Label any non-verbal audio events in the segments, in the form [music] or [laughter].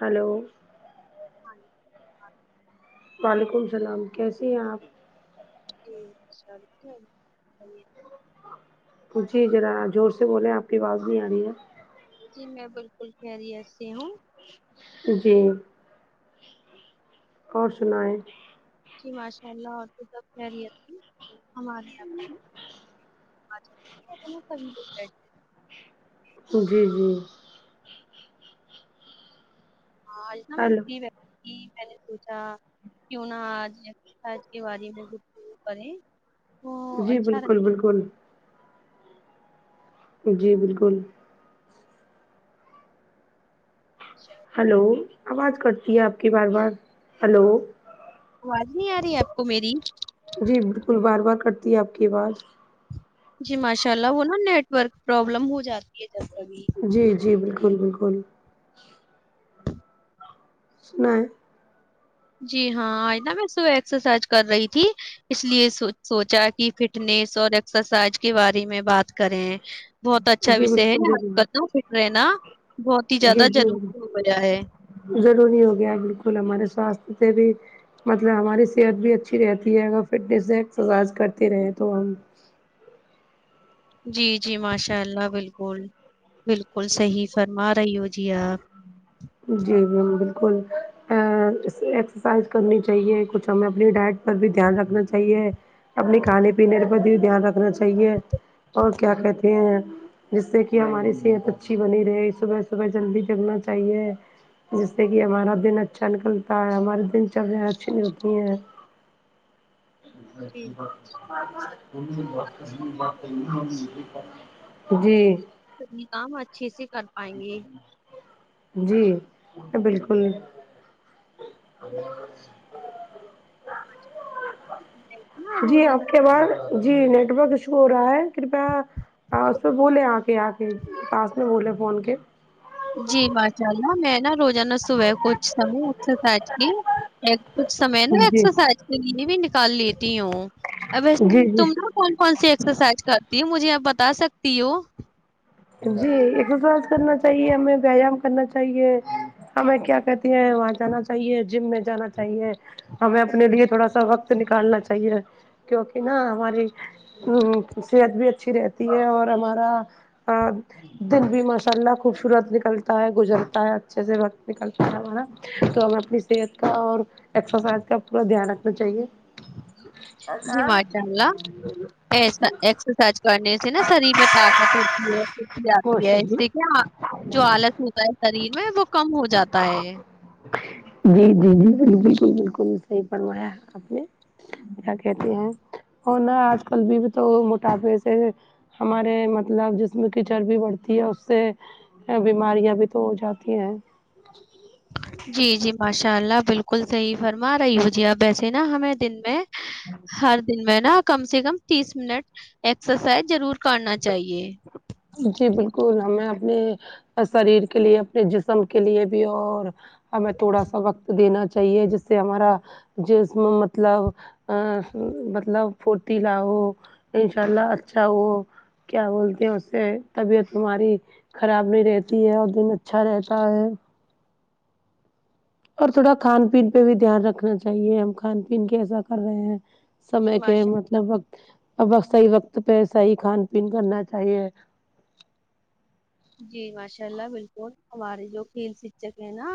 hello ہاں جی وعلیکم السلام کیسیے ہیں آپ جی [unintelligible] جی ذرا زور سے بول ذرا آپ کی آواز نہیں آ رہی ہے جی میں بالکل خیریت سے ہوں جی اور سنائیں جی ماشاء اللہ اور تو سب خیریت ہماریے یہاں اج جی جی ہاں جتنا میں ہیلو فری رہتی تھی میں نے سوچا کیوں نہ آج تسٹڈے والے میں شروع کریں تو جی اچھا رہے بالکل بالکل جی بالکل ہیلو آواز کرتی ہے آپ کی بار بار ہیلو آواز نہیں آ رہی ہے آپ کو میری جی بالکل بار بار کٹتی ہے آپ کی آواز جی ماشاء اللہ وہ نا نیٹ ورک پروابلم ہو جاتی ہے جب ابھی جی جی بالکل بالکل سنائے جی ہاں آج میں نہ سو ایکسرسائز کر رہی تھی اس لیے سوچا کی فٹ فٹنیس اور ایکسرسائز کے بارے میں بات کریں بہت اچھا جی ویسے ہے بالکل اج ضرور کل تو فٹ رہنا بہت ہی جی زیادہ جی ضروری ہو گیا ہے ضروری ہو گیا بالکل ہمارے سواستھ سے بھی مطلب ہماری صحت بھی اچھی رہتی ہے اگر فٹنس سے اسرسائز کرتے رہے تو ہم جی جی ماشاء اللہ بالکل بالکل صحیح فرما رہی ہو جی آپ جی [unintelligible] بالکل آ ایسے ایکسرسائز کرنی چاہیے کچھ ہمیں اپنی ڈائٹ پر بھی دھیان رکھنا چاہیے اپنے کھانے پینے پر بھی دھیان رکھنا چاہیے اور کیا کہتے ہیں جس سے کی ہماری صحت اچھی بنی رہی صبح صبح جلدی جگنا چاہیے جس سے کی ہمارا دن اچھا نکلتا ہے ہمارے دن [unintelligible] جی آپ جی تو اپنے کام اچھے سے کر پائیں گے جی بالکل جی جی آپ کے آواز جی نیٹورک ایشو ہو رہا ہے کرپیا پاس میں بولے آ کے آ کے پاس میں بولے فون کے جی ماشاء اللہ میں نا روزانہ صبح کچھ سمے ایکسرسائز کی کچھ سمے نا جی ایکسرسائز کے لیے بھی نکال لیتی ہوں اب ایسے میں جی جی تم نا کون کون سی ایکسرسائز کرتی ہوں مجھے آپ بتا سکتی ہو جی ایکسرسائز کرنا چاہیے ہمیں وایام کرنا چاہیے ہمیں کیا کہتی ہیں وہاں جانا چاہیے جم میں جانا چاہیے ہمیں اپنے لیے تھوڑا سا وقت نکالنا چاہیے کیونکی نا ہماری صحت بھی اچھی رہتی ہے اور ہمارا دن بھی مشاللہ خوبصورت نکلتا ہے گزرتا ہے اچھے سے وقت نکلتا ہے ہمارا تو ہمیں اپنی صحت کا اور ایکسرسائز کا پورا دھیان رکھنا چاہیے جی ماشاء اللہ ایکسا ایکسرسائز کرنے سے نا شریر میں ت ماشاء [inaudible] اللہ جو آلس ہوتا ہے شریر میں وہ کم ہو جاتا ہے جی جی جی بالکل بالکل صحیح فرمایا آپ نے کیا کہتی ہیں اور ن آج کل بھی تو موٹاپے سے ہمارے مطلب ج جو کیچڑ بھی بڑھتی ہے اس سے ے بیماریاں بھی تو ہو جاتی ہیں جی جی ماشاء اللہ بالکل صحیح فرما رہی ہو جی آپ ویسے نا ہمیں دن میں ہر دن میں نا کم سے کم تیس منٹ ایکسرسائز ضرور کرنا چاہیے جی بالکل ہمیں اپنے شریر کے لیے اپنے جسم کے لیے بھی اور ہمیں تھوڑا سا وقت دینا چاہیے جس سے ہمارا جسم مطلب آ مطلب پھورتیلا ہو انشاء اللہ اچھا وہ کیا بولتے ہیں اس سے طبیعت تمہاری خراب نہیں رہتی ہے اور دن اچھا رہتا ہے اور تھوڑا کھان پین پہ بھی دھیان رکھنا چاہیے ہم کھان پین کیسا کر رہے ہیں جی سمے کے ماشاء اللہ مطلب وقت اب وقت صحیح وقت پہ صحیح کھان پین کرنا چاہیے جی ماشاء اللہ بالکل ہمارے جو کھیل سچک ہیں نا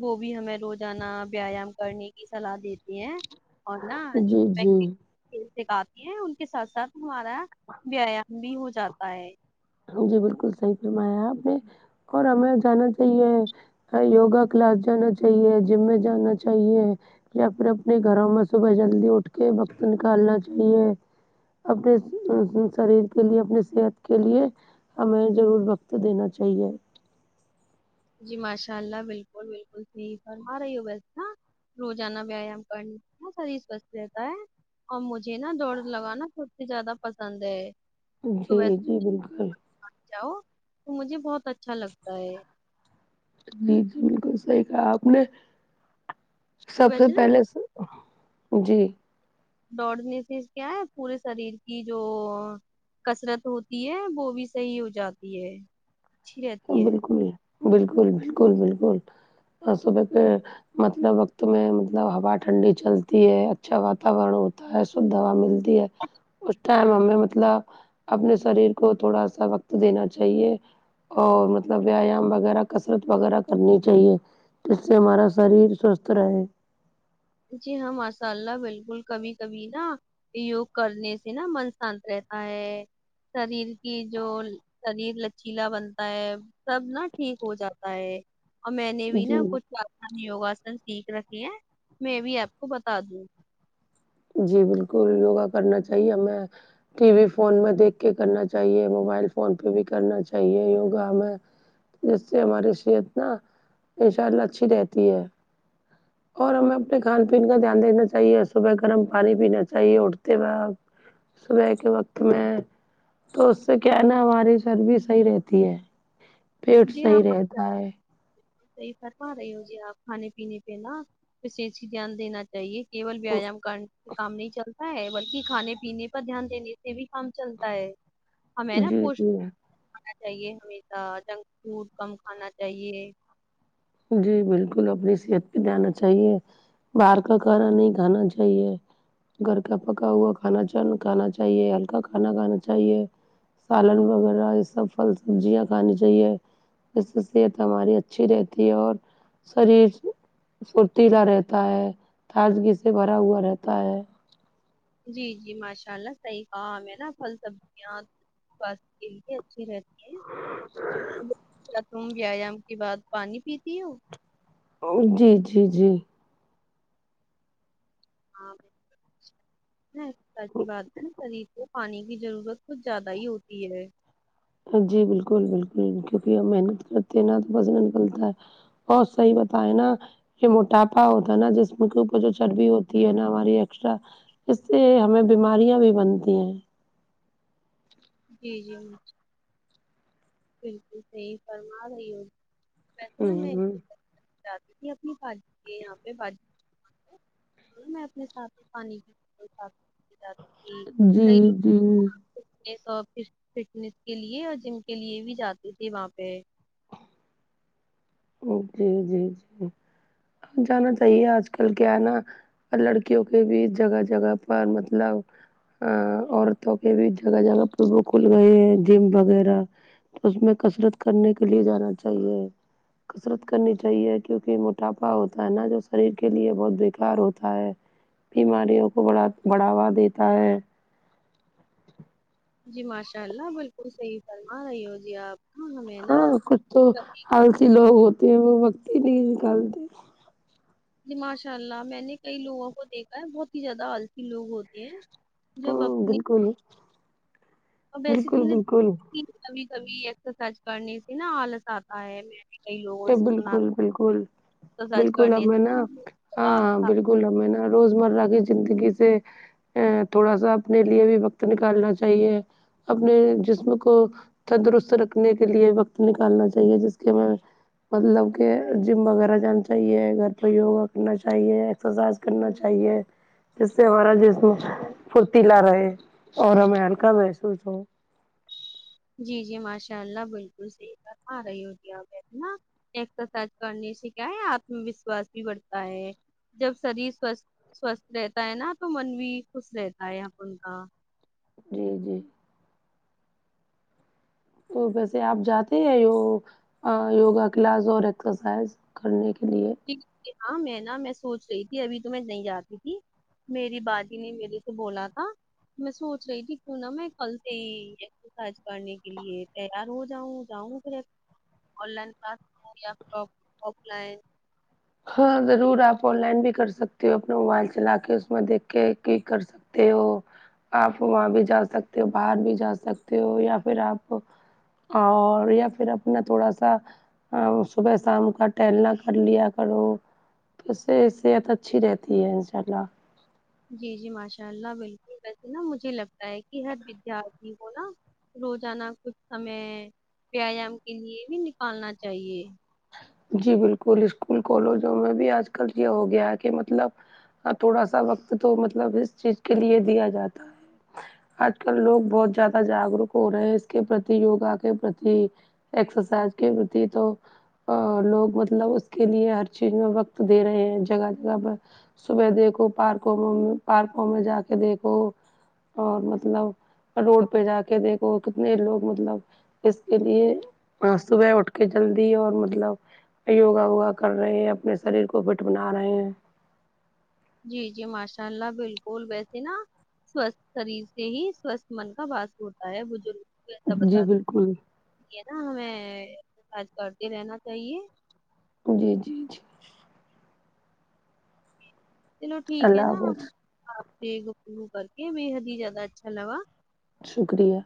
وہ بھی ہمیں روزانہ ویایام کرنے کی سلاح دیتے ہیں اور نہ جی جی کیو سکھاتی ہیں ان کے ساتھ ساتھ ہمارا ویایام بھی ہو جاتا ہے جی بالکل صحیح فرمایا آپ نے اور ہمیں جانا چاہیے ہ یوگا کلاس جانا چاہیے جم میں جانا چاہیے یا پھر اپنے گھروں میں صبح جلدی اٹھ کے وقت نکالنا چاہیے اپنے ا شریر کے لیے اپنی صحت کے لیے ہمیں ضرور وقت دینا چاہیے جی ماشاء اللہ بالکل بالکل صحیح فرما رہی ہو ویسے نہ روزانہ ویایام کرنے سی نہ شریر سوستھ رہتا ہے اور مجھے نا دوڑ لگانا سب سے زیادہ پسند ہے جی صبح جی بالکل جاؤ تو مجھے بہت اچھا لگتا ہے جی جی بالکل صحیح کہا آپ نے سب اور سے ویسے نا پہلے دو- جی دوڑنے سے کیا ہے پورے شریر کی جو کسرت ہوتی ہے وہ بھی صحیح ہو جاتی ہے اچھی رہتی ہے بالکل بالکل بالکل بالکل آ سب کے مطلب وقت میں مطلب ہوا ٹھنڈی چلتی ہے اچھا واتاورن ہوتا ہے شدھ ہوا مل ہے اس ٹائم ہمیں مطلب اپنے سریر کو تھوڑا سا وقت دینا چاہیے اور مطلب ویایام وغیرہ کثرت وغیرہ کرنی چاہیے جس سے ہمارا شریر سوستھ رہے جی ہاں ماشاء اللہ بالکل کبھی کبھی نا یوگ کرنے سے نا من شانت رہتا ہے شریر کی جو شریر لچیلا بنتا ہے سب نا ٹھیک ہو جاتا ہے اور میں نے بھی نا جی کچھ آسان یوگاسن سیکھ رکھے ہیں میں بھی آپ کو بتا دوں گی جی بالکل یوگا کرنا چاہیے ہمیں ٹی وی فون میں دیکھ کے کرنا چاہیے موبائل فون پہ بھی کرنا چاہیے یوگا ہمیں جس سے ہماری صحت نہ ان شاء اللہ اچھی رہتی ہے اور ہمیں اپنے کھان پین کا دھیان دیکنا چاہیے صبح گرم پانی پینا چاہیے اٹھے بعد صبح کے وقت میں تو اس سے کیا ہے نہ ہماری سر بھی صحیح رہتی ہے پیٹ جی ہاں صحیح رہتا ہے صحیح فرما رہی ہو جی آپ کھانے پینے پہ نہا اسے ہی دھیان دینا چاہیے کیول ویایام کرنے سے کام نہیں چلتا تا ہے بلکی کھانے پینے پر دھیان دینے سے بھی کام چلتا ہے ہمیں نا جی پوش جی کھانا چاہیے ہمیشہ جنگ فوڈ کم کھانا چاہیے جی بالکل اپنی صحت پے جانا چاہیے باہر کا کھانا نہیں کھانا چاہیے گھر کا پکا ہوا کھانا جن کھانا چاہیے ہلکا کھانا کھانا چاہیے سالن وغیرہ یہ سب پھل سبزیاں کھانی چاہیے جس سے صحت ہماری اچھی رہتی ہے اور شریر فھرتیلا رہتا ہے تازگی سے بھرا ہوا رہتا ہے جی جی ماشاء اللہ صحیح کہا ہمیں نا پھل سبزیاں سواست کے لیے اچھی رہتی کیا تم ویایام کے بعد پانی پیتی ہو جی جی جی ہاں شریر بات ہے نا شریر کو پانی کی ضرورت کچھ زیادہ ہی ہوتی ہے جی بالکل بالکل کیونکی ہم محنت کرتے ہیں نہ تو پسینہ نکلتا ہے بہت صحیح بتائے نا یے موٹاپا ہوتا ہے نا جسم کے اوپر جو چربی ہوتی ہے نا ہماری ایکسٹرا اس سے ہمیں بیماریاں بھی بنتی ہیں جی جی بکل سہی فرما رہی ہوگی وسے ہمیں ہوں [unintelligible] میں اپنے ساتھ پانی [unintelligible] جاتی جی جی یے سب فش فٹنیس کے لیے اور جم کے لیے بھی جاتے تھے وہاں پے جی جی جی جانا چاہیے آج کل کیا ہے نا لڑکیوں کے بیچ جگہ جگہ پر مطلب آ عورتوں کے بھی جگہ جگہ پر وہ کھل گئے ہیں جم وغیرہ تو اس میں کسرت کرنے کے لیے جانا چاہیے کسرت کرنی چاہیے کیونکی موٹاپا ہوتا ہے نا جو شریر کے لیے بہت بیکار ہوتا ہے بیماریوں کو بڑھا بڑھاوا دیتا ہے جی ماشاء اللہ بالکل صحیح فرما رہی ہو جی آپ ہاں ہمیں نا ہاں کچھ تو آلسی لوگ ہوتے ہیں وہ وقت ہی نہیں نکالتے جی ماشاء اللہ میں نے کئی لوگوں کو دیکھا ہے بہت ہی زیادہ آلسی لوگ ہوتے ہیں جو کو اپنی بالکل اور ویسے بالکل تم نے بالکل کبھی کبھی ایکسرسائز کرنے سے نا آلس آتا ہے میں نے کئی تو لوگوں سے سنا بالکل بالکل سج بالکل کرنے ہمیں نہ سے ہاں بالکل کل ہمیں ہے نا روزمرہ کی زندگی سے تھوڑا سا اپنے لیے بھی وقت نکالنا چاہیے اپنے جسم کو تندرست رکھنے کے لیے وقت نکالنا چاہیے جس کے ہمیں مطلب کہ جم وغیرہ جانا چاہیے گھر پے یوگا کرنا چاہیے ایکسرسائز کرنا چاہیے جس سے ہمارا جسم پھرتیلا رہے اور ہمیں ہلکا محسوس ہو جی جی ماشاء اللہ بالکل صحیح فرمارہی ہوگی آپ ویسے نا ایکسرسائز کرنے سے کیا ہے آتم وشواس بھی بڑھتا ہے جب شریر سوستھ سوستھ رہتا ہے ناں تو من بھی خوش رہتا ہے اپن کا جی جی ویسے آپ جاتے ہیں یو یوگا کلاس اور ایکسرسائز کرنے کے لیے جی ہاں میں نا میں سوچ رہی تھی ابھی تو میں نہیں جاتی تھی میری بجی نے میرے سے بولا تھا میں سوچ رہی تھی کیوں ناں میں کل سے ہی خرچ کرنے کے لیے تیار ہو جاؤں جاؤں پھر آن لائن کلاس یا پھر آف لائن ہاں ضرور آپ آن لائن بھی کر سکتے ہو اپنا موبائل چلا کے اس میں دیکھ کے کی کر سکتے سکتے ہو آپ وہاں بھی جا سکتے ہو باہر بھی جا سکتے ہو یا پھر آپ اور یا پھر اپنا تھوڑا سا صبح شام کا ٹہلنا کر لیا کرو تو اس سے صحت اچھی رہتی ہے ان شاء اللہ جی جی ماشاء اللہ بالکل ویسے ناں مجھے لگتا ہے کی ہر ودیارتھی کو نا روزانہ کچھ سمے ویایام کے لیے بھی نکالنا چاہیے جی بالکل اسکول کالجوں میں بھی آج کل یے ہو گیا ہے کہ مطلب ہاں تھوڑا سا وقت تو مطلب اس چیز کے لیے دیا جاتا ہے آج کل لوگ بہت زیادہ جاگروک ہو رہے ہیں اس کے پرتی یوگا کے پرتی ایکسرسائز کے پرتی تو اور لوگ مطلب اس کے لیے ہر چیز میں وقت دے رہے ہیں جگہ جگہ پر صبح دیکھو پارکوں میں پارکوں میں جا کے دیکھو اور مطلب روڈ پہ جا کے دیکھو کتنے لوگ مطلب اس کے لیے صبح اٹھ کے جلدی اور مطلب مطلب یوگا ووگا کر رہے ہیں اپنے شریر کو فٹ بنا رہے ہیں جی جی ماشاء اللہ بالکل ویسی ناں سوستھ شریر سے ہی سوستھ من کا باس ہوتا ہے بزرگ ایسا بتا جی بالکل دی ناں ہمیں کاج کرتے رہنا چاہیے جی جی جی چلو ٹھیک اللہ ہے ناں حافظ آپ سے گفتگو کر کے بےحد ہی زیادہ اچھا لگا شکریہ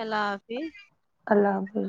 اللہ حافظ اللہ حافظ